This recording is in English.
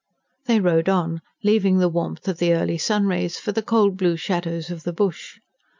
They rode on, leaving the warmth of the early sun rays for the cold blue shadows of the bush.